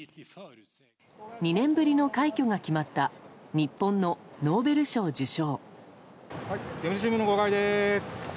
２年ぶりの快挙が決まった日本のノーベル賞受賞。